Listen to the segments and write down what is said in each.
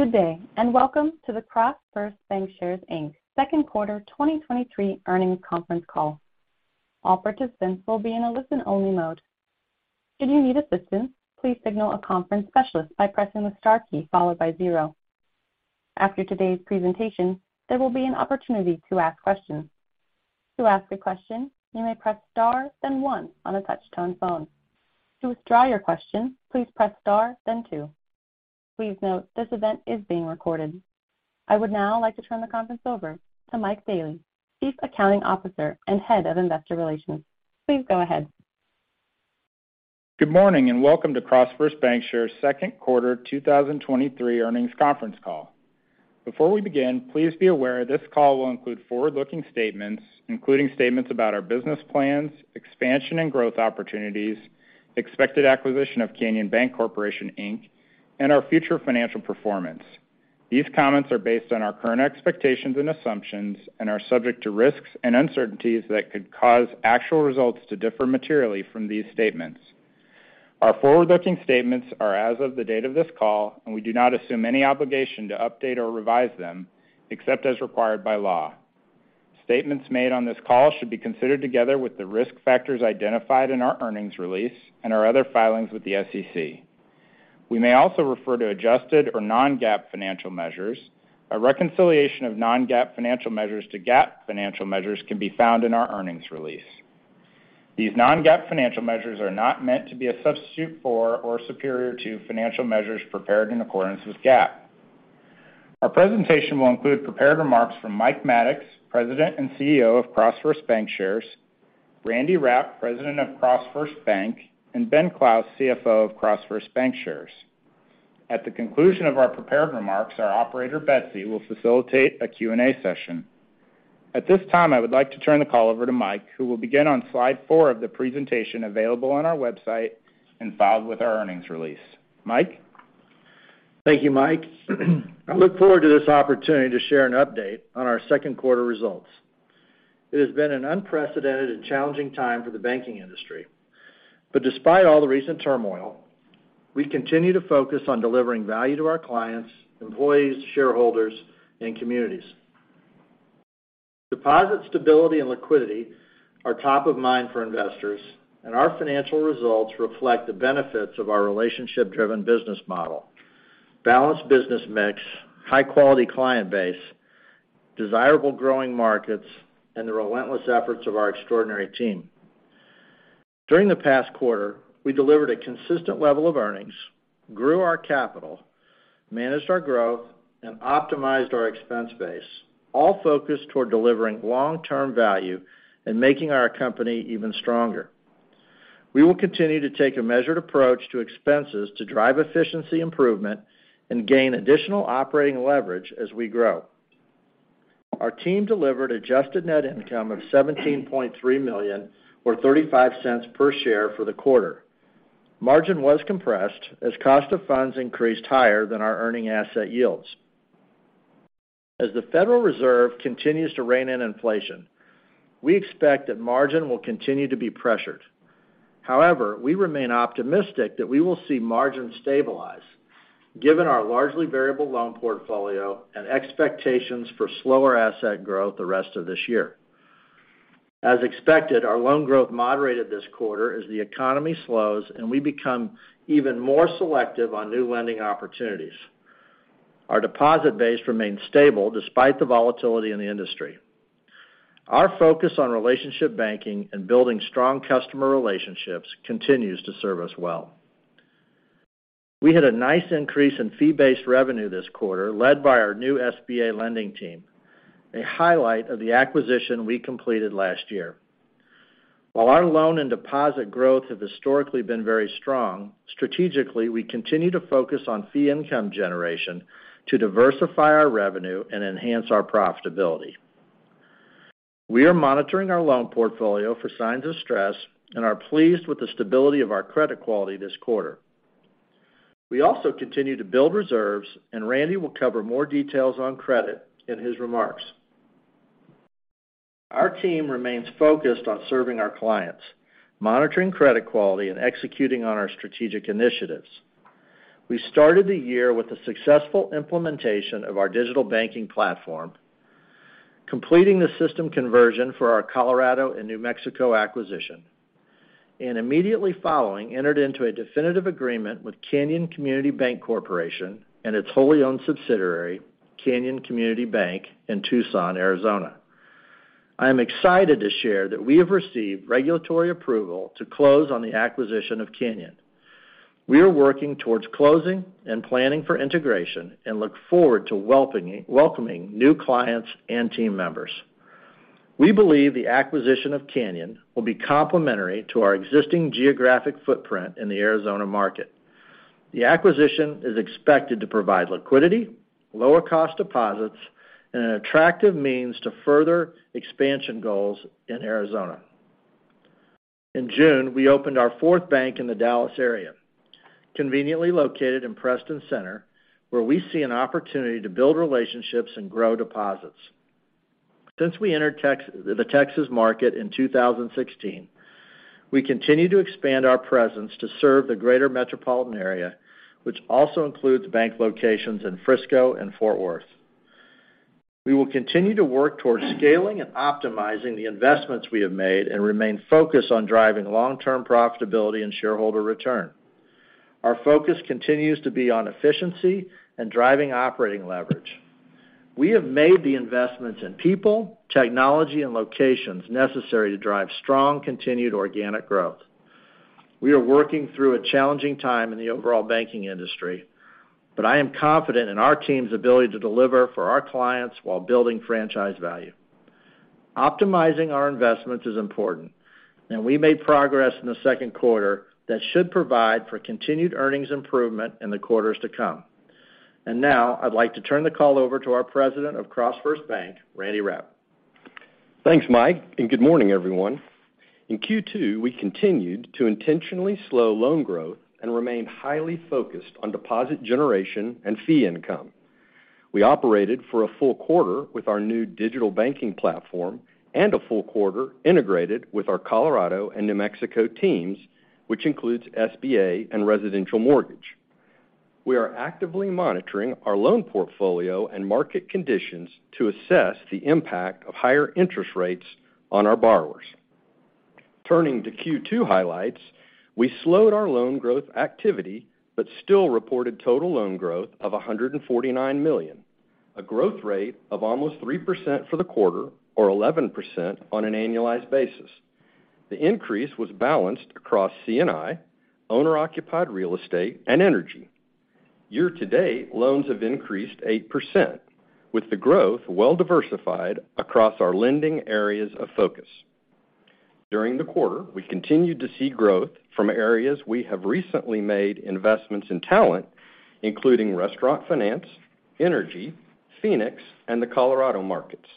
Good day, and welcome to the CrossFirst Bankshares, Inc. Second Quarter 2023 Earnings Conference Call. All participants will be in a listen-only mode. Should you need assistance, please signal a conference specialist by pressing the star key followed by zero. After today's presentation, there will be an opportunity to ask questions. To ask a question, you may press star, then one on a touch-tone phone. To withdraw your question, please press star, then two. Please note, this event is being recorded. I would now like to turn the conference over to Mike Daley, Chief Accounting Officer and Head of Investor Relations. Please go ahead. Good morning, and welcome to CrossFirst Bankshares' Second Quarter 2023 earnings conference call. Before we begin, please be aware this call will include forward-looking statements including statements about our business plans, expansion and growth opportunities, expected acquisition of Canyon Bancorporation, Inc, and our future financial performance. These comments are based on our current expectations and assumptions and are subject to risks and uncertainties that could cause actual results to differ materially from these statements. Our forward-looking statements are as of the date of this call, and we do not assume any obligation to update or revise them, except as required by law. Statements made on this call should be considered together with the risk factors identified in our earnings release and our other filings with the SEC. We may also refer to adjusted or non-GAAP financial measures. A reconciliation of non-GAAP financial measures to GAAP financial measures can be found in our earnings release. These non-GAAP financial measures are not meant to be a substitute for or superior to financial measures prepared in accordance with GAAP. Our presentation will include prepared remarks from Mike Maddox, President and CEO of CrossFirst Bankshares, Randy Rapp, President of CrossFirst Bank, and Ben Clouse, CFO of CrossFirst Bankshares. At the conclusion of our prepared remarks, our Operator, Betsy, will facilitate a Q&A session. At this time, I would like to turn the call over to Mike, who will begin on slide four of the presentation available on our website and filed with our earnings release. Mike? Thank you, Mike. I look forward to this opportunity to share an update on our second quarter results. It has been an unprecedented and challenging time for the banking industry. Despite all the recent turmoil, we continue to focus on delivering value to our clients, employees, shareholders, and communities. Deposit stability and liquidity are top of mind for investors, and our financial results reflect the benefits of our relationship-driven business model, balanced business mix, high-quality client base, desirable growing markets, and the relentless efforts of our extraordinary team. During the past quarter, we delivered a consistent level of earnings, grew our capital, managed our growth, and optimized our expense base, all focused toward delivering long-term value and making our company even stronger. We will continue to take a measured approach to expenses to drive efficiency improvement and gain additional operating leverage as we grow. Our team delivered adjusted net income of $17.3 million, or $0.35 per share for the quarter. Margin was compressed as cost of funds increased higher than our earning asset yields. As the Federal Reserve continues to rein in inflation, we expect that margin will continue to be pressured. However, we remain optimistic that we will see margins stabilize, given our largely variable loan portfolio and expectations for slower asset growth the rest of this year. As expected, our loan growth moderated this quarter as the economy slows and we become even more selective on new lending opportunities. Our deposit base remains stable despite the volatility in the industry. Our focus on relationship banking and building strong customer relationships continues to serve us well. We had a nice increase in fee-based revenue this quarter, led by our new SBA lending team, a highlight of the acquisition we completed last year. While our loan and deposit growth have historically been very strong, strategically, we continue to focus on fee income generation to diversify our revenue and enhance our profitability. We are monitoring our loan portfolio for signs of stress and are pleased with the stability of our credit quality this quarter. We also continue to build reserves, and Randy will cover more details on credit in his remarks. Our team remains focused on serving our clients, monitoring credit quality, and executing on our strategic initiatives. We started the year with the successful implementation of our digital banking platform, completing the system conversion for our Colorado and New Mexico acquisition. And immediately following, entered into a definitive agreement with Canyon Community Bancorporation and its wholly-owned subsidiary, Canyon Community Bank in Tucson, Arizona. I am excited to share that we have received regulatory approval to close on the acquisition of Canyon. We are working towards closing and planning for integration and look forward to welcoming new clients and team members. We believe the acquisition of Canyon will be complementary to our existing geographic footprint in the Arizona market. The acquisition is expected to provide liquidity, lower-cost deposits, and an attractive means to further expansion goals in Arizona. In June, we opened our fourth bank in the Dallas area, conveniently located in Preston Center, where we see an opportunity to build relationships and grow deposits. Since we entered the Texas market in 2016, we continue to expand our presence to serve the greater metropolitan area, which also includes bank locations in Frisco and Fort Worth. We will continue to work towards scaling and optimizing the investments we have made and remain focused on driving long-term profitability and shareholder return. Our focus continues to be on efficiency and driving operating leverage. We have made the investments in people, technology, and locations necessary to drive strong, continued organic growth. We are working through a challenging time in the overall banking industry, I am confident in our team's ability to deliver for our clients while building franchise value. Optimizing our investments is important, we made progress in the second quarter that should provide for continued earnings improvement in the quarters to come. Now, I'd like to turn the call over to our President of CrossFirst Bank, Randy Rapp. Thanks, Mike. Good morning, everyone. In Q2, we continued to intentionally slow loan growth and remain highly focused on deposit generation and fee income. We operated for a full quarter with our new digital banking platform and a full quarter integrated with our Colorado and New Mexico teams, which includes SBA and residential mortgage. We are actively monitoring our loan portfolio and market conditions to assess the impact of higher interest rates on our borrowers. Turning to Q2 highlights, we slowed our loan growth activity, but still reported total loan growth of $149 million, a growth rate of almost 3% for the quarter or 11% on an annualized basis. The increase was balanced across C&I, owner-occupied real estate, and energy. Year-to-date, loans have increased 8%, with the growth well-diversified across our lending areas of focus. During the quarter, we continued to see growth from areas we have recently made investments in talent, including restaurant finance, energy, Phoenix, and the Colorado markets.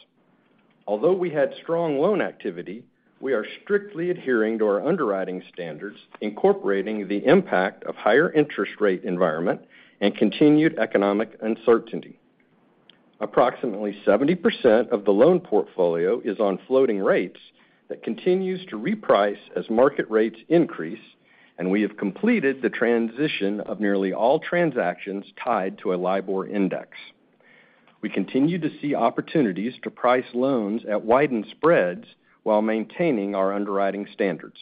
Although we had strong loan activity, we are strictly adhering to our underwriting standards, incorporating the impact of higher interest rate environment and continued economic uncertainty. Approximately 70% of the loan portfolio is on floating rates that continues to reprice as market rates increase, and we have completed the transition of nearly all transactions tied to a LIBOR index. We continue to see opportunities to price loans at widened spreads while maintaining our underwriting standards.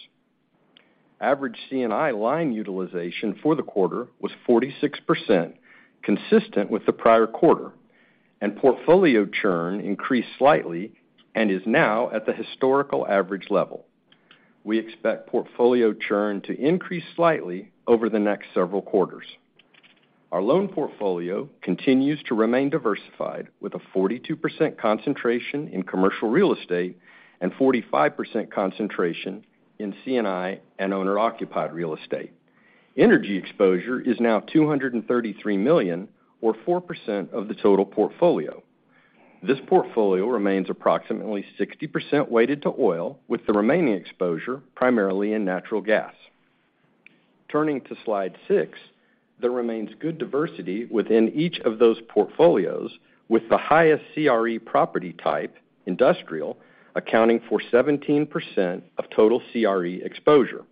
Average C&I line utilization for the quarter was 46%, consistent with the prior quarter, and portfolio churn increased slightly and is now at the historical average level. We expect portfolio churn to increase slightly over the next several quarters. Our loan portfolio continues to remain diversified, with a 42% concentration in commercial real estate and 45% concentration in C&I and owner-occupied real estate. Energy exposure is now $233 million, or 4% of the total portfolio. This portfolio remains approximately 60% weighted to oil, with the remaining exposure primarily in natural gas. Turning to slide six, there remains good diversity within each of those portfolios, with the highest CRE property type, industrial, accounting for 17% of total CRE exposure,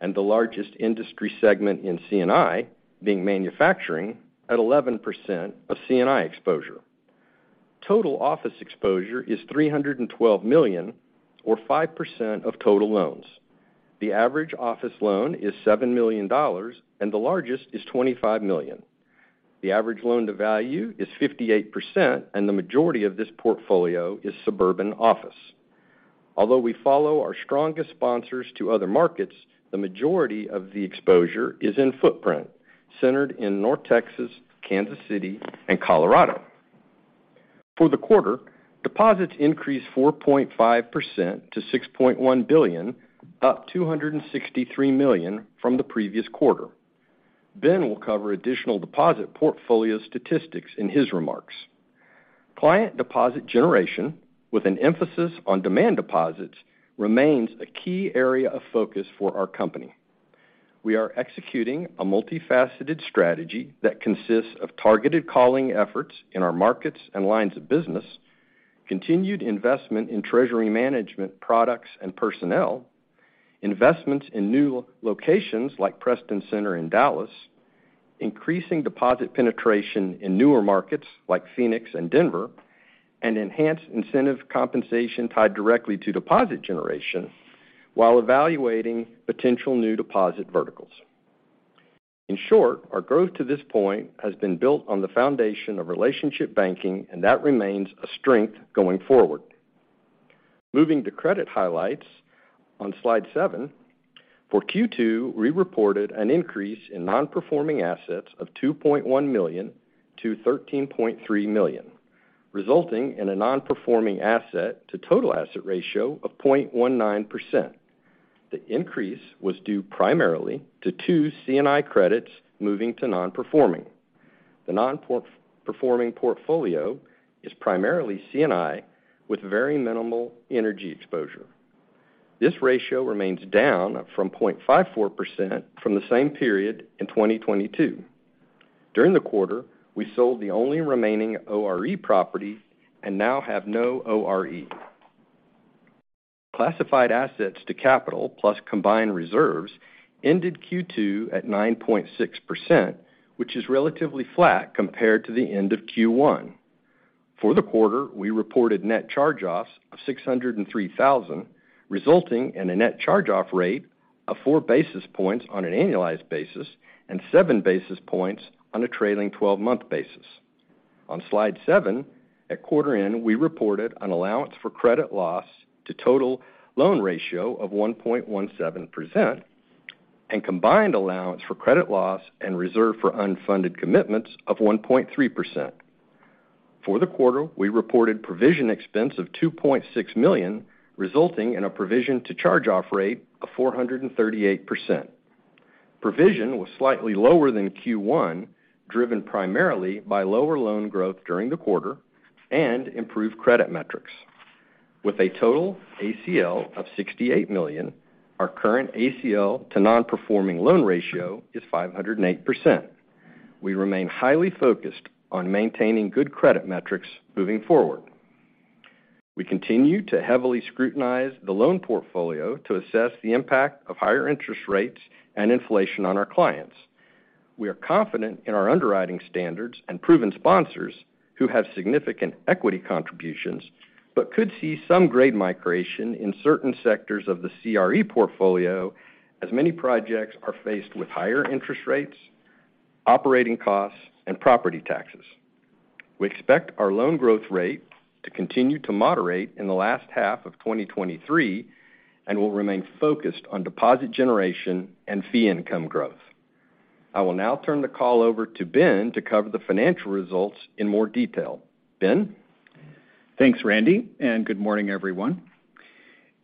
and the largest industry segment in C&I being manufacturing at 11% of C&I exposure. Total office exposure is $312 million, or 5% of total loans. The average office loan is $7 million, and the largest is $25 million. The average loan to value is 58%, and the majority of this portfolio is suburban office. Although we follow our strongest sponsors to other markets, the majority of the exposure is in footprint, centered in North Texas, Kansas City, and Colorado. For the quarter, deposits increased 4.5% to $6.1 billion, up $263 million from the previous quarter. Ben will cover additional deposit portfolio statistics in his remarks. Client deposit generation, with an emphasis on demand deposits, remains a key area of focus for our company. We are executing a multifaceted strategy that consists of targeted calling efforts in our markets and lines of business, continued investment in treasury management products and personnel, investments in new locations like Preston Center in Dallas, increasing deposit penetration in newer markets like Phoenix and Denver, and enhanced incentive compensation tied directly to deposit generation while evaluating potential new deposit verticals. In short, our growth to this point has been built on the foundation of relationship banking, and that remains a strength going forward. Moving to credit highlights on slide seven. For Q2, we reported an increase in non-performing assets of $2.1 million to $13.3 million, resulting in a non-performing asset to total asset ratio of 0.19%. The increase was due primarily to two C&I credits moving to non-performing. The non-performing portfolio is primarily C&I, with very minimal energy exposure. This ratio remains down from 0.54% from the same period in 2022. During the quarter, we sold the only remaining ORE property and now have no ORE. Classified assets to capital plus combined reserves ended Q2 at 9.6%, which is relatively flat compared to the end of Q1. For the quarter, we reported net charge-offs of $603,000, resulting in a net charge-off rate of 4 basis points on an annualized basis and 7 basis points on a trailing 12-month basis. On slide seven, at quarter end, we reported an allowance for credit loss to total loan ratio of 1.17% and combined allowance for credit loss and reserve for unfunded commitments of 1.3%. For the quarter, we reported provision expense of $2.6 million, resulting in a provision to charge-off rate of 438%. Provision was slightly lower than Q1, driven primarily by lower loan growth during the quarter and improved credit metrics. With a total ACL of $68 million, our current ACL to nonperforming loan ratio is 508%. We remain highly focused on maintaining good credit metrics moving forward. We continue to heavily scrutinize the loan portfolio to assess the impact of higher interest rates and inflation on our clients. We are confident in our underwriting standards and proven sponsors, who have significant equity contributions, but could see some grade migration in certain sectors of the CRE portfolio, as many projects are faced with higher interest rates, operating costs, and property taxes. We expect our loan growth rate to continue to moderate in the last half of 2023, and we'll remain focused on deposit generation and fee income growth. I will now turn the call over to Ben to cover the financial results in more detail. Ben? Thanks, Randy. Good morning, everyone.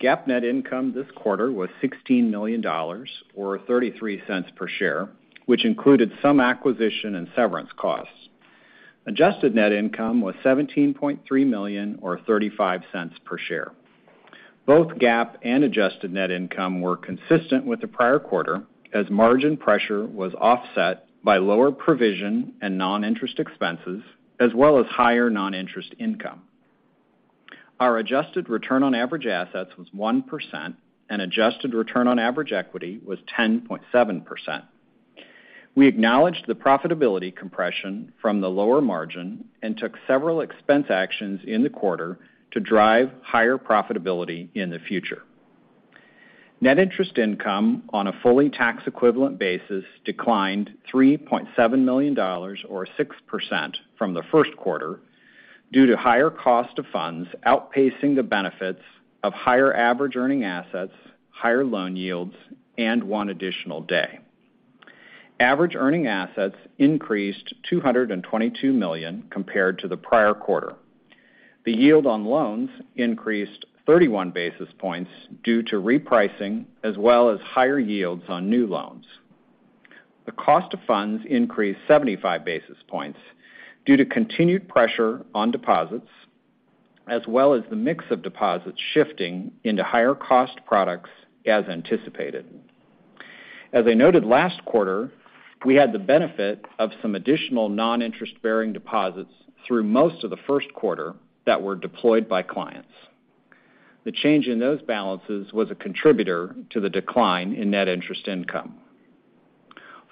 GAAP net income this quarter was $16 million or $0.33 per share, which included some acquisition and severance costs. Adjusted net income was $17.3 million or $0.35 per share. Both GAAP and adjusted net income were consistent with the prior quarter, as margin pressure was offset by lower provision and non-interest expenses, as well as higher non-interest income. Our adjusted return on average assets was 1% and adjusted return on average equity was 10.7%. We acknowledged the profitability compression from the lower margin and took several expense actions in the quarter to drive higher profitability in the future. Net interest income, on a fully tax-equivalent basis, declined $3.7 million or 6% from the first quarter due to higher cost of funds outpacing the benefits of higher average earning assets, higher loan yields, and one additional day. Average earning assets increased $222 million compared to the prior quarter. The yield on loans increased 31 basis points due to repricing as well as higher yields on new loans. The cost of funds increased 75 basis points due to continued pressure on deposits, as well as the mix of deposits shifting into higher cost products as anticipated. As I noted last quarter, we had the benefit of some additional non-interest-bearing deposits through most of the first quarter that were deployed by clients. The change in those balances was a contributor to the decline in net interest income.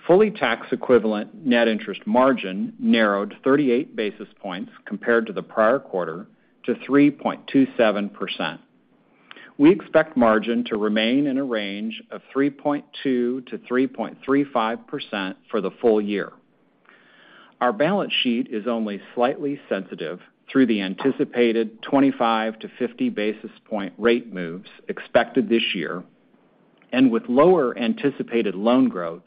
Fully tax-equivalent net interest margin narrowed 38 basis points compared to the prior quarter to 3.27%. We expect margin to remain in a range of 3.2%-3.35% for the full year. Our balance sheet is only slightly sensitive through the anticipated 25 basis point-50 basis point rate moves expected this year. With lower anticipated loan growth,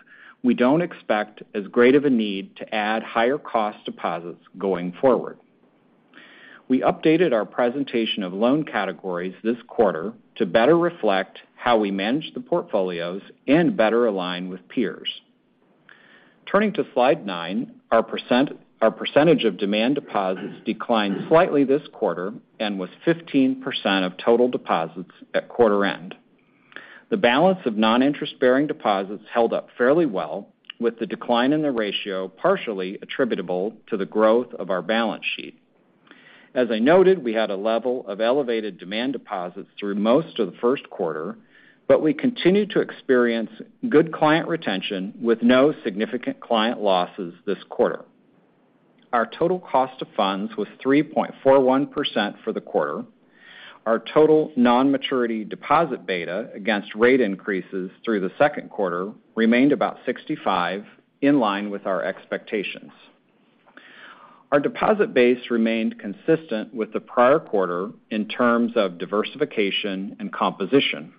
we don't expect as great of a need to add higher cost deposits going forward. We updated our presentation of loan categories this quarter to better reflect how we manage the portfolios and better align with peers. Turning to slide nine, our percentage of demand deposits declined slightly this quarter and was 15% of total deposits at quarter end. The balance of non-interest-bearing deposits held up fairly well, with the decline in the ratio partially attributable to the growth of our balance sheet. As I noted, we had a level of elevated demand deposits through most of the first quarter, but we continued to experience good client retention with no significant client losses this quarter. Our total cost of funds was 3.41% for the quarter. Our total non-maturity deposit beta against rate increases through the second quarter remained about 65%, in line with our expectations. Our deposit base remained consistent with the prior quarter in terms of diversification and composition.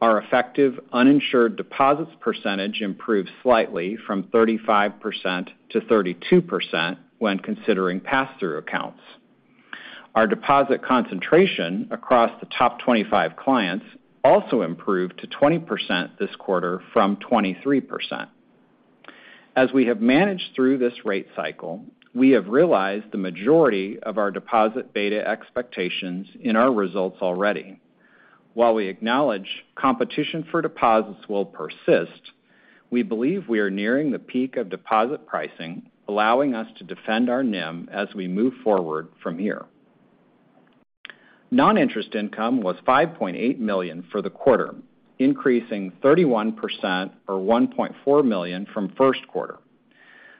Our effective uninsured deposits percentage improved slightly from 35% to 32% when considering pass-through accounts. Our deposit concentration across the top 25 clients also improved to 20% this quarter from 23%. As we have managed through this rate cycle, we have realized the majority of our deposit beta expectations in our results already. While we acknowledge competition for deposits will persist, we believe we are nearing the peak of deposit pricing, allowing us to defend our NIM as we move forward from here. Non-interest income was $5.8 million for the quarter, increasing 31% or $1.4 million from first quarter.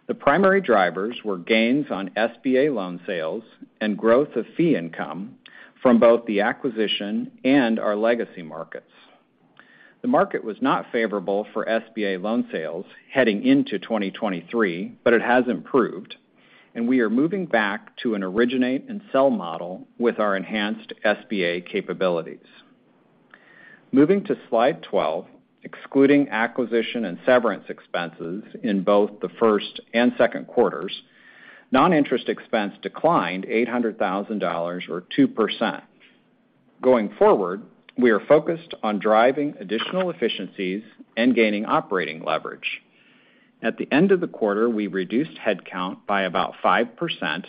The primary drivers were gains on SBA loan sales and growth of fee income from both the acquisition and our legacy markets. The market was not favorable for SBA loan sales heading into 2023, but it has improved, and we are moving back to an originate and sell model with our enhanced SBA capabilities. Moving to slide 12, excluding acquisition and severance expenses in both the first and second quarters, non-interest expense declined $800,000 or 2%. Going forward, we are focused on driving additional efficiencies and gaining operating leverage. At the end of the quarter, we reduced headcount by about 5%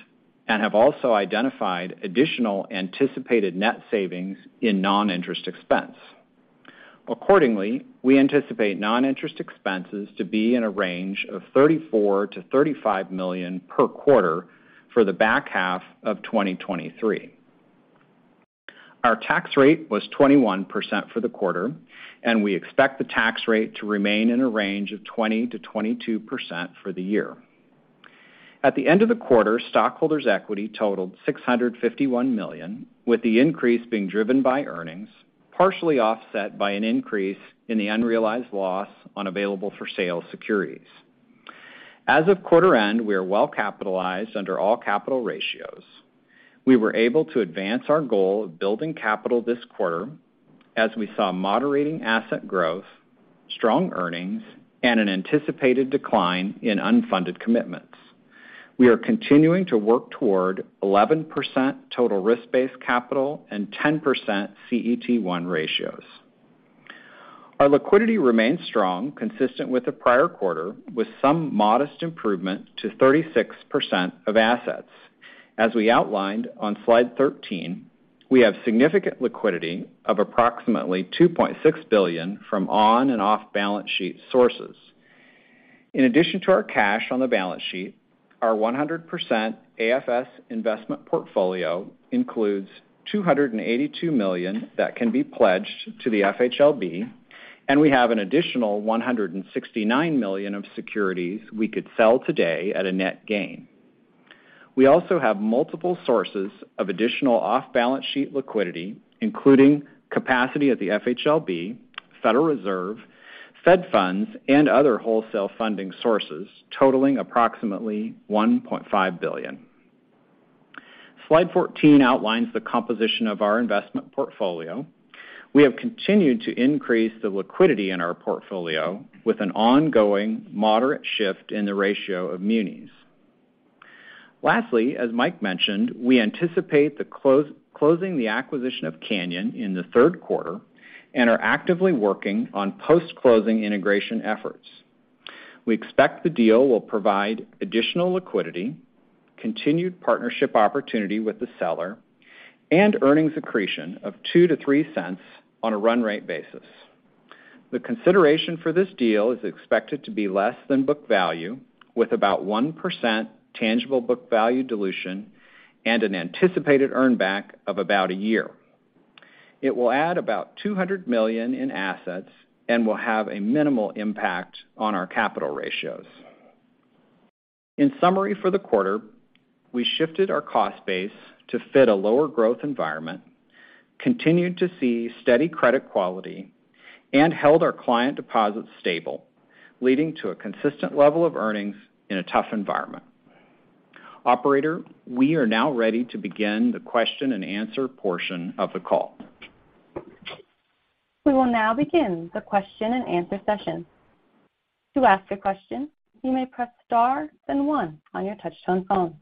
and have also identified additional anticipated net savings in non-interest expense. Accordingly, we anticipate non-interest expenses to be in a range of $34 million-$35 million per quarter for the back half of 2023. Our tax rate was 21% for the quarter, and we expect the tax rate to remain in a range of 20%-22% for the year. At the end of the quarter, stockholders' equity totaled $651 million, with the increase being driven by earnings, partially offset by an increase in the unrealized loss on available-for-sale securities. As of quarter end, we are well capitalized under all capital ratios. We were able to advance our goal of building capital this quarter as we saw moderating asset growth, strong earnings, and an anticipated decline in unfunded commitments. We are continuing to work toward 11% total risk-based capital and 10% CET1 ratios. Our liquidity remains strong, consistent with the prior quarter, with some modest improvement to 36% of assets. As we outlined on slide 13, we have significant liquidity of approximately $2.6 billion from on and off-balance sheet sources. In addition to our cash on the balance sheet, our 100% AFS investment portfolio includes $282 million that can be pledged to the FHLB, and we have an additional $169 million of securities we could sell today at a net gain. We also have multiple sources of additional off-balance sheet liquidity, including capacity at the FHLB, Federal Reserve, Fed Funds, and other wholesale funding sources totaling approximately $1.5 billion. Slide 14 outlines the composition of our investment portfolio. We have continued to increase the liquidity in our portfolio with an ongoing moderate shift in the ratio of munis. Lastly, as Mike mentioned, we anticipate closing the acquisition of Canyon in the third quarter and are actively working on post-closing integration efforts. We expect the deal will provide additional liquidity, continued partnership opportunity with the seller, and earnings accretion of $0.02-$0.03 on a run rate basis. The consideration for this deal is expected to be less than book value, with about 1% tangible book value dilution and an anticipated earn back of about a year. It will add about $200 million in assets and will have a minimal impact on our capital ratios. In summary, for the quarter, we shifted our cost base to fit a lower growth environment, continued to see steady credit quality, and held our client deposits stable, leading to a consistent level of earnings in a tough environment. Operator, we are now ready to begin the question-and-answer portion of the call. We will now begin the question-and-answer session. To ask a question, you may press star, then one on your touch-tone phone.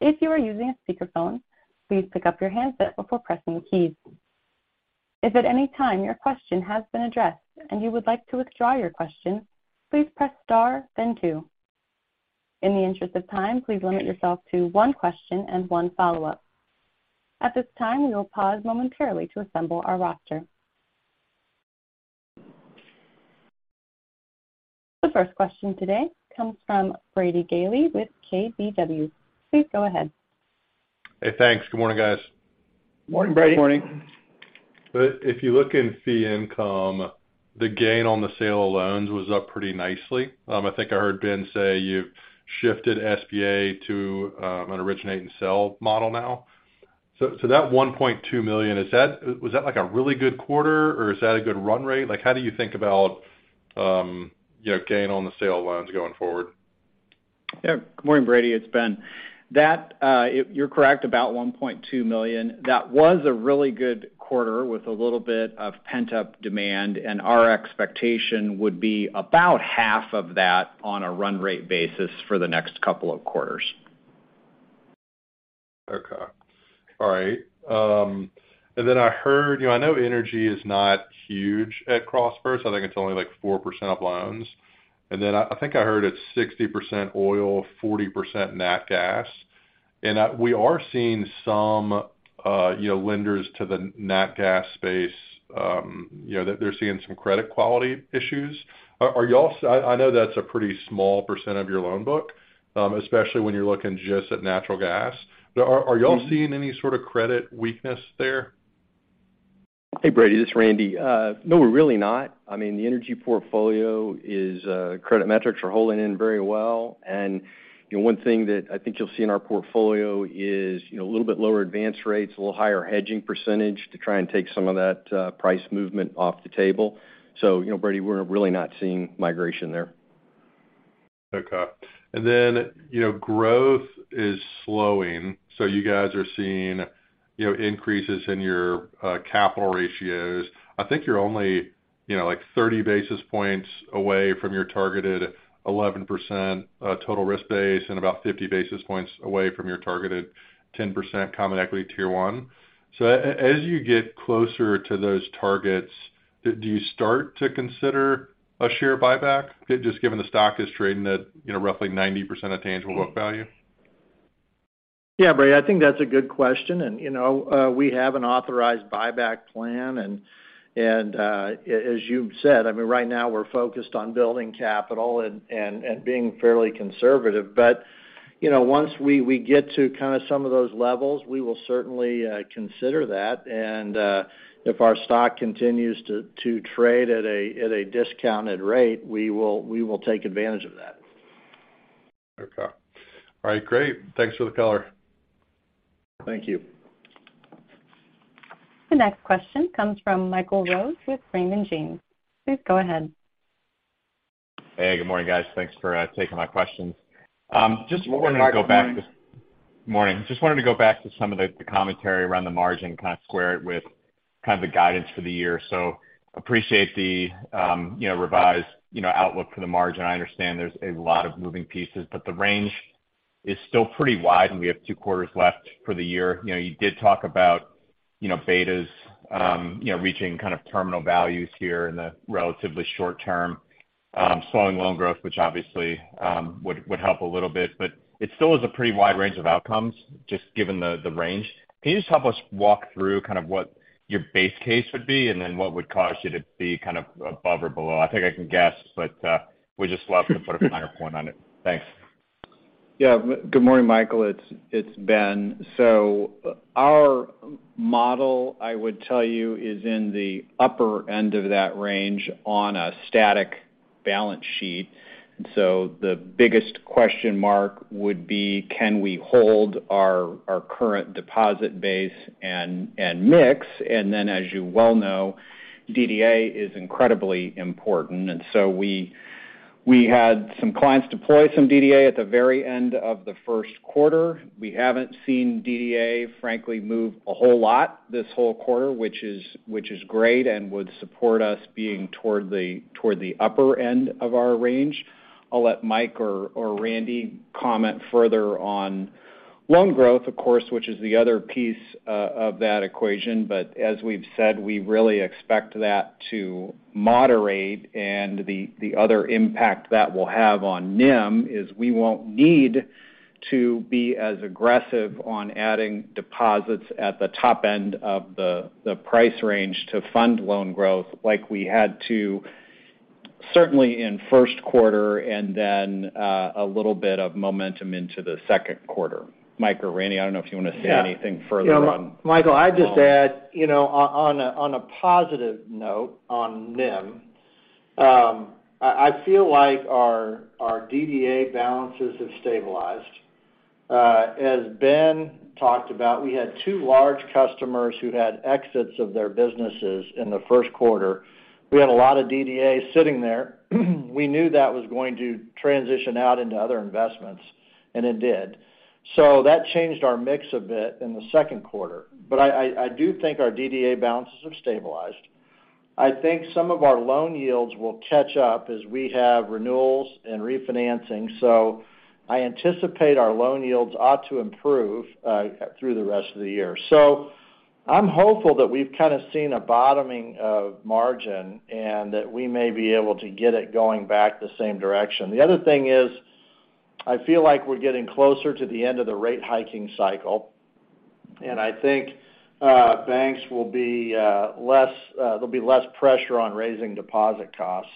If you are using a speakerphone, please pick up your handset before pressing the keys. If at any time your question has been addressed and you would like to withdraw your question, please press star then two. In the interest of time, please limit yourself to one question and one follow-up. At this time, we will pause momentarily to assemble our roster. The first question today comes from Brady Gailey with KBW. Please go ahead. Hey, thanks. Good morning, guys. Morning, Brady. Good morning. If you look in fee income, the gain on the sale of loans was up pretty nicely. I think I heard Ben say you've shifted SBA to an originate and sell model now. That $1.2 million, was that, like, a really good quarter, or is that a good run rate? How do you think about, you know, gain on the sale of loans going forward? Yeah. Good morning, Brady, it's Ben. That, you're correct about $1.2 million. That was a really good quarter with a little bit of pent-up demand. Our expectation would be about half of that on a run rate basis for the next couple of quarters. Okay. All right. Then I heard, you know, I know energy is not huge at CrossFirst. I think it's only like 4% of loans. Then I think I heard it's 60% oil, 40% nat gas. We are seeing some, you know, lenders to the nat gas space, you know, they're seeing some credit quality issues. Are y'all, I know that's a pretty small percent of your loan book, especially when you're looking just at natural gas. Are y'all seeing any sort of credit weakness there? Hey, Brady, this is Randy. No, we're really not. I mean, the energy portfolio is credit metrics are holding in very well. You know, one thing that I think you'll see in our portfolio is, you know, a little bit lower advance rates, a little higher hedging percentage to try and take some of that price movement off the table. You know, Brady, we're really not seeing migration there. Then, you know, growth is slowing. You guys are seeing, you know, increases in your capital ratios. I think you're only, you know, like, 30 basis points away from your targeted 11% total risk base and about 50 basis points away from your targeted 10% common equity Tier 1. As you get closer to those targets, do you start to consider a share buyback, just given the stock is trading at, you know, roughly 90% of tangible book value? Yeah, Brady, I think that's a good question. You know, we have an authorized buyback plan, and as you've said, I mean, right now we're focused on building capital and being fairly conservative. You know, once we get to kind of some of those levels, we will certainly consider that. If our stock continues to trade at a discounted rate, we will take advantage of that. Okay. All right, great. Thanks for the color. Thank you. The next question comes from Michael Rose with Raymond James. Please go ahead. Hey, good morning, guys. Thanks for taking my questions. Just wanted to go back to- Good morning. Morning. Just wanted to go back to some of the commentary around the margin, kind of square it with kind of the guidance for the year. Appreciate the, you know, revised, you know, outlook for the margin. I understand there's a lot of moving pieces, but the range is still pretty wide, and we have two quarters left for the year. You know, you did talk about, you know, betas, you know, reaching kind of terminal values here in the relatively short term, slowing loan growth, which obviously, would help a little bit. It still is a pretty wide range of outcomes just given the range. Can you just help us walk through kind of what your base case would be, and then what would cause you to be kind of above or below? I think I can guess, but, we'd just love to put a finer point on it. Thanks. Good morning, Michael. It's Ben. Our model, I would tell you, is in the upper end of that range on a static balance sheet. The biggest question mark would be, can we hold our current deposit base and mix? As you well know, DDA is incredibly important. We had some clients deploy some DDA at the very end of the first quarter. We haven't seen DDA, frankly, move a whole lot this whole quarter, which is great and would support us being toward the upper end of our range. I'll let Mike or Randy comment further on loan growth, of course, which is the other piece of that equation. As we've said, we really expect that to moderate, and the other impact that will have on NIM is we won't need to be as aggressive on adding deposits at the top end of the price range to fund loan growth like we had to, certainly in first quarter and then a little bit of momentum into the second quarter. Mike or Randy, I don't know if you want to say anything further on. Michael, I'd just add, you know, on a positive note on NIM, I feel like our DDA balances have stabilized. As Ben talked about, we had two large customers who had exits of their businesses in the first quarter. We had a lot of DDA sitting there. We knew that was going to transition out into other investments, and it did. That changed our mix a bit in the second quarter. I do think our DDA balances have stabilized. I think some of our loan yields will catch up as we have renewals and refinancing. I anticipate our loan yields ought to improve through the rest of the year. I'm hopeful that we've kind of seen a bottoming of margin and that we may be able to get it going back the same direction. The other thing is, I feel like we're getting closer to the end of the rate hiking cycle, and I think there'll be less pressure on raising deposit costs.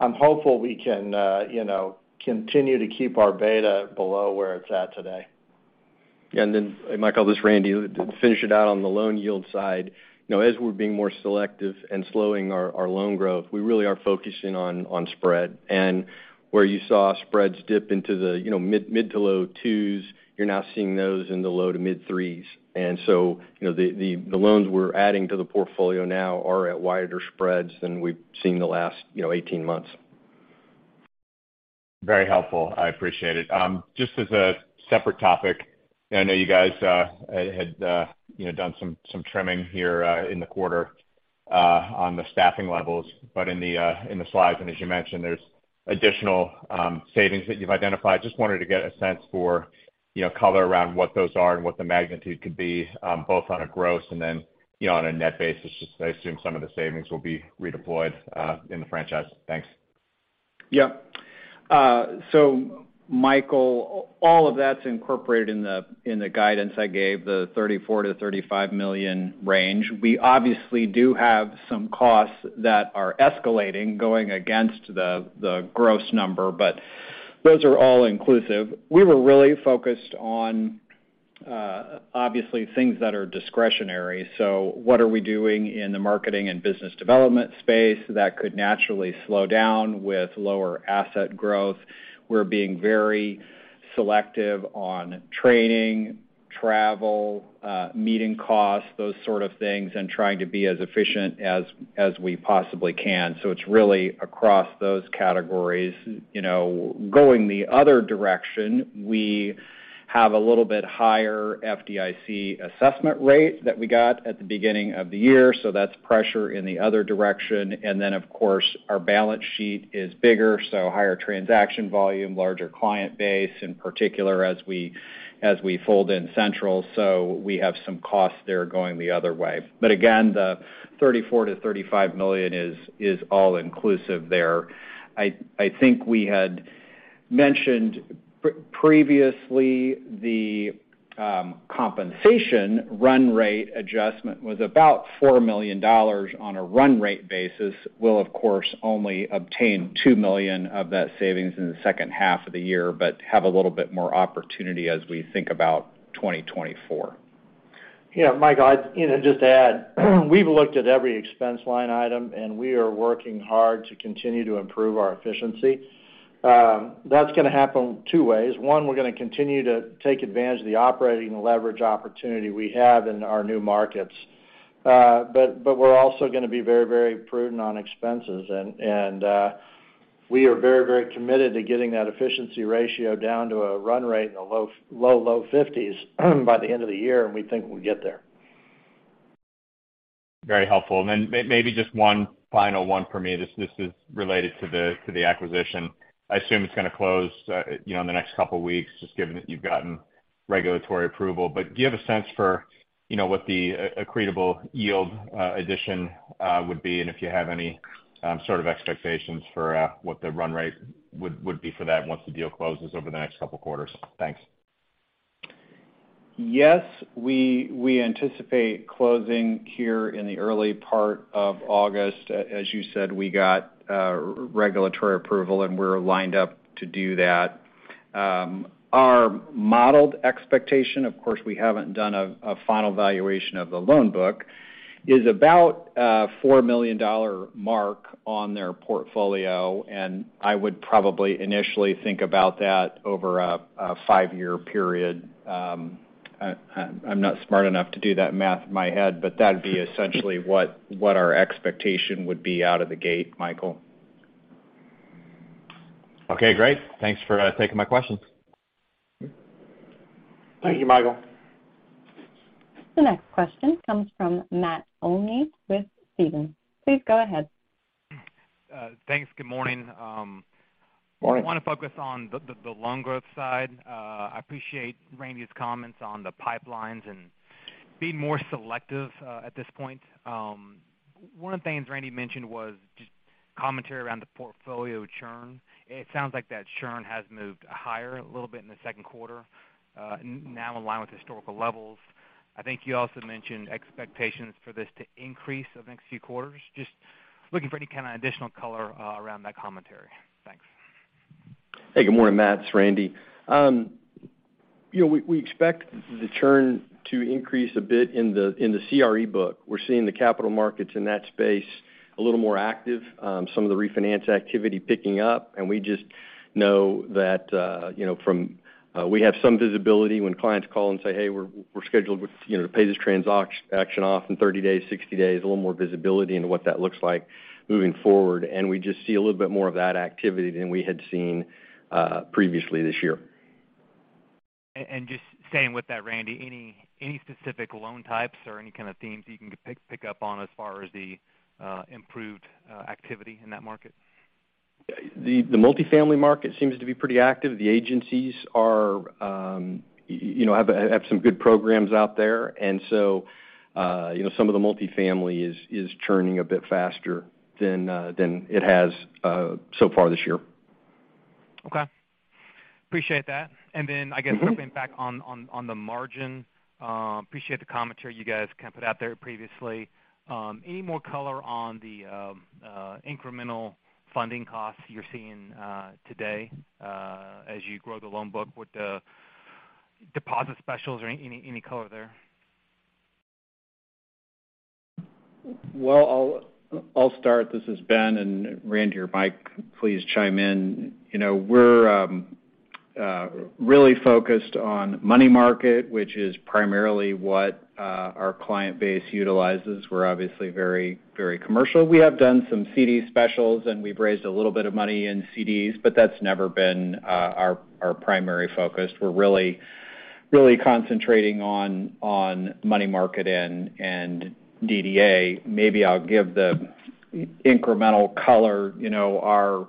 I'm hopeful we can, you know, continue to keep our beta below where it's at today. Michael, this is Randy, to finish it out on the loan yield side. You know, as we're being more selective and slowing our loan growth, we really are focusing on spread. Where you saw spreads dip into the, you know, mid- to low-2s, you're now seeing those in the low- to mid-3s. You know, the loans we're adding to the portfolio now are at wider spreads than we've seen in the last, you know, 18 months. Very helpful. I appreciate it. As a separate topic, I know you guys had, you know, done some trimming here, in the quarter on the staffing levels. In the slides, and as you mentioned, there's additional savings that you've identified. Wanted to get a sense for, you know, color around what those are and what the magnitude could be, both on a gross and then, you know, on a net basis? I assume some of the savings will be redeployed in the franchise. Thanks. Yep. Michael, all of that's incorporated in the, in the guidance I gave, the $34 million-$35 million range. We obviously do have some costs that are escalating, going against the gross number, but those are all inclusive. We were really focused on, obviously, things that are discretionary. What are we doing in the marketing and business development space that could naturally slow down with lower asset growth? We're being very selective on training, travel, meeting costs, those sort of things, and trying to be as efficient as we possibly can. It's really across those categories. You know, going the other direction, we have a little bit higher FDIC assessment rate that we got at the beginning of the year. That's pressure in the other direction. Of course, our balance sheet is bigger, so higher transaction volume, larger client base, in particular, as we fold in Central. So we have some costs there going the other way. Again, the $34 million-$35 million is all inclusive there. I think we had mentioned previously, the compensation run rate adjustment was about $4 million on a run rate basis. We'll, of course, only obtain $2 million of that savings in the second half of the year, but have a little bit more opportunity as we think about 2024. Yeah, Michael. I'd, you know, just add. We've looked at every expense line item. We are working hard to continue to improve our efficiency. That's gonna happen two ways. One, we're gonna continue to take advantage of the operating leverage opportunity we have in our new markets. We're also gonna be very, very prudent on expenses. We are very, very committed to getting that efficiency ratio down to a run rate in the low, low, low 50s by the end of the year. We think we'll get there. Very helpful. Then maybe just one final one for me. This is related to the, to the acquisition. I assume it's gonna close, you know, in the next couple of weeks just given that you've gotten regulatory approval. Do you have a sense for, you know, what the accretable yield addition would be, and if you have any sort of expectations for what the run rate would be for that once the deal closes over the next couple of quarters? Thanks. Yes, we anticipate closing here in the early part of August. As you said, we got regulatory approval, and we're lined up to do that. Our modeled expectation, of course, we haven't done a final valuation of the loan book, is about a $4 million mark on their portfolio, and I would probably initially think about that over a five-year period. I'm not smart enough to do that math in my head, but that'd be essentially what our expectation would be out of the gate, Michael. Okay, great. Thanks for taking my questions. Thank you, Michael. The next question comes from Matt Olney with Stephens. Please go ahead. Thanks. Good morning. Morning. I wanna focus on the loan growth side. I appreciate Randy's comments on the pipelines and being more selective at this point. One of the things Randy mentioned was just commentary around the portfolio churn. It sounds like that churn has moved higher a little bit in the second quarter, now in line with historical levels. I think you also mentioned expectations for this to increase over the next few quarters. Just looking for any kind of additional color around that commentary. Thanks. Hey, good morning, Matt. It's Randy. You know, we expect the churn to increase a bit in the, in the CRE book. We're seeing the capital markets in that space a little more active. Some of the refinance activity picking up. We just know that, you know, we have some visibility when clients call and say, "Hey, we're scheduled, you know, to pay this transaction off in 30 days, 60 days," a little more visibility into what that looks like moving forward. We just see a little bit more of that activity than we had seen previously this year. Just staying with that, Randy, any specific loan types or any kind of themes you can pick up on as far as the improved activity in that market? The multifamily market seems to be pretty active. The agencies are, you know, have some good programs out there. You know, some of the multifamily is churning a bit faster than it has so far this year. Okay. Appreciate that. I guess- Mm-hmm... looping back on the margin, appreciate the commentary you guys kind of put out there previously. Any more color on the incremental funding costs you're seeing today as you grow the loan book with the deposit specials or any color there? Well, I'll start. This is Ben, Randy or Mike, please chime in. You know, we're really focused on money market which is primarily what our client base utilizes. We're obviously very commercial. We have done some CD specials, and we've raised a little bit of money in CDs, but that's never been our primary focus. We're really concentrating on money market and DDA. Maybe I'll give the incremental color. You know, our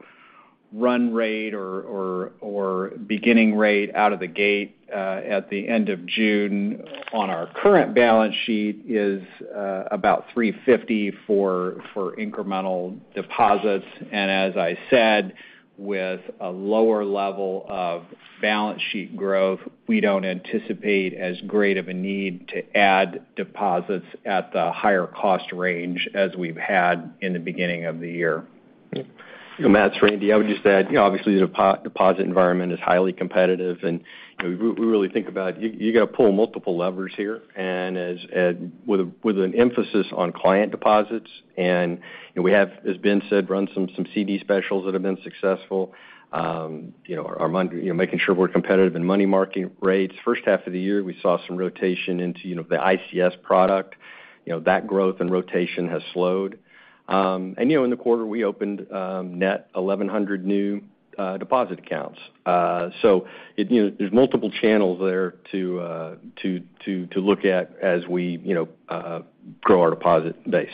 run rate or beginning rate out of the gate, at the end of June, on our current balance sheet, is about 3.50% for incremental deposits. As I said, with a lower level of balance sheet growth, we don't anticipate as great of a need to add deposits at the higher cost range as we've had in the beginning of the year. Matt, it's Randy. I would just add, you know, obviously, the deposit environment is highly competitive, and, you know, we really think about it. You got to pull multiple levers here, and as with an emphasis on client deposits. You know, we have, as Ben said, run some CD specials that have been successful. You know, our, you know, making sure we're competitive in money market rates. First half of the year, we saw some rotation into, you know, the ICS product. You know, that growth and rotation has slowed. You know, in the quarter, we opened net 1,100 new deposit accounts. You know, there's multiple channels there to look at as we, you know, grow our deposit base.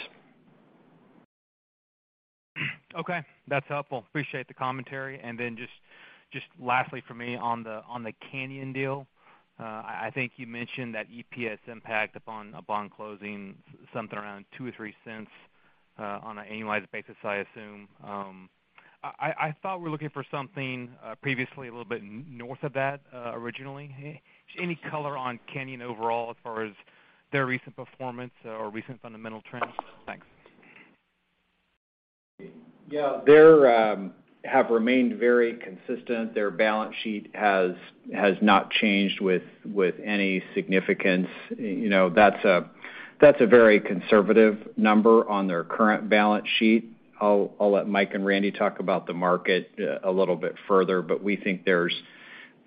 Okay, that's helpful. Appreciate the commentary. Just lastly for me on the Canyon deal. I think you mentioned that EPS impact upon closing, something around $0.02 or $0.03 on an annualized basis, I assume. I thought we were looking for something previously a little bit north of that originally. Any color on Canyon overall as far as their recent performance or recent fundamental trends? Thanks. They're have remained very consistent. Their balance sheet has not changed with any significance. You know, that's a very conservative number on their current balance sheet. I'll let Mike and Randy talk about the market a little bit further, but we think there's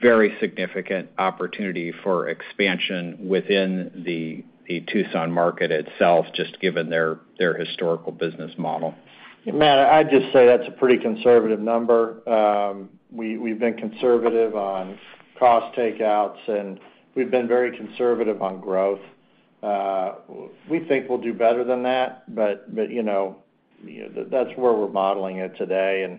very significant opportunity for expansion within the Tucson market itself just given their historical business model. Matt, I'd just say that's a pretty conservative number. We've been conservative on cost takeouts, and we've been very conservative on growth. We think we'll do better than that, but, you know, that's where we're modeling it today.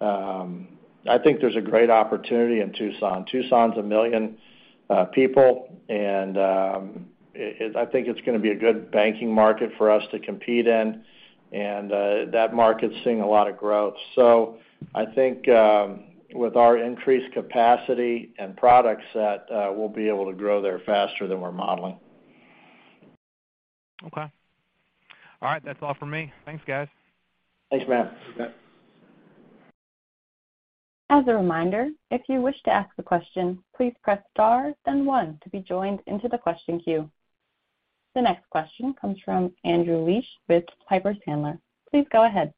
I think there's a great opportunity in Tucson. Tucson's a million people, I think it's gonna be a good banking market for us to compete in, that market's seeing a lot of growth. I think with our increased capacity and product set, we'll be able to grow there faster than we're modeling. Okay. All right, that's all for me. Thanks, guys. Thanks, Matt. Yep. As a reminder, if you wish to ask a question, please press star, then one to be joined into the question queue. The next question comes from Andrew Liesch with Piper Sandler. Please go ahead.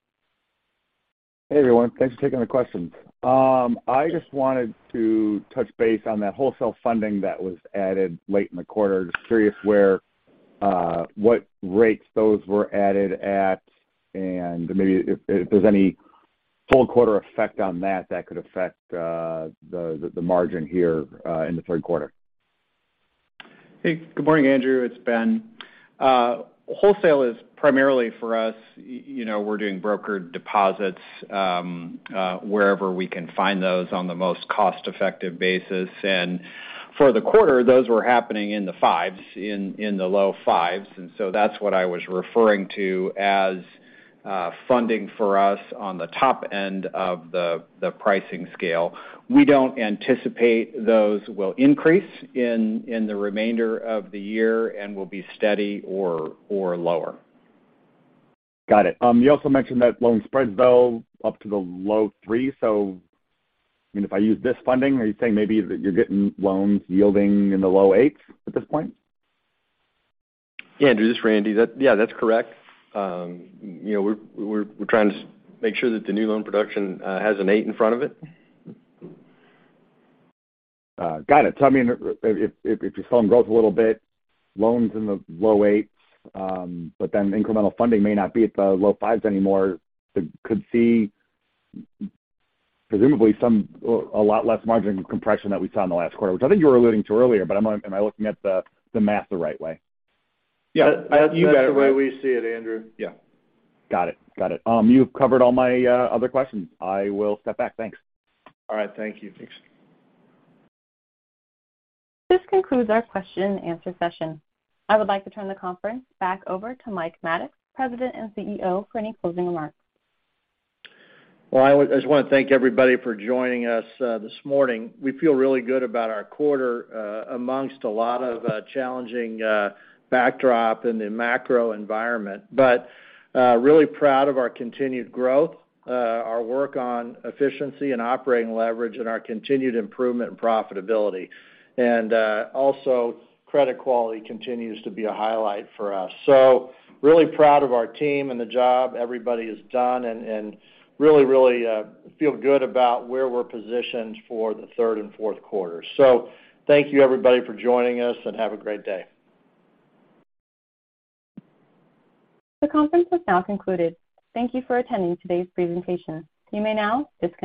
Hey, everyone. Thanks for taking the question. I just wanted to touch base on that wholesale funding that was added late in the quarter. Just curious where, what rates those were added at, and maybe if there's any full quarter effect on that could affect the margin here in the third quarter. Hey, good morning, Andrew. It's Ben. Wholesale is primarily for us, you know, we're doing brokered deposits wherever we can find those on the most cost-effective basis. For the quarter, those were happening in the 5s, in the low 5s. That's what I was referring to as funding for us on the top end of the pricing scale. We don't anticipate those will increase in the remainder of the year will be steady or lower. Got it. You also mentioned that loan spreads, though, up to the low 3s. I mean, if I use this funding, are you saying maybe that you're getting loans yielding in the low 8s at this point? Yeah, Andrew. This is Randy. That's correct. You know, we're trying to make sure that the new loan production has an 8 in front of it. Got it. I mean, if, if you're selling growth a little bit, loans in the low 8s, but then incremental funding may not be at the low 5s anymore. Could see presumably a lot less margin compression than we saw in the last quarter, which I think you were alluding to earlier. Am I looking at the math the right way? Yeah, that's the way we see it, Andrew. Got it. You've covered all my other questions. I will step back. Thanks. All right. Thank you. Thanks. This concludes our question and answer session. I would like to turn the conference back over to Mike Maddox, President and CEO, for any closing remarks. I just want to thank everybody for joining us this morning. We feel really good about our quarter amongst a lot of challenging backdrop in the macro environment. Really proud of our continued growth, our work on efficiency and operating leverage, and our continued improvement and profitability. Also, credit quality continues to be a highlight for us. Really proud of our team and the job everybody has done and really feel good about where we're positioned for the third and fourth quarter. Thank you, everybody, for joining us, and have a great day. The conference is now concluded. Thank you for attending today's presentation. You may now disconnect.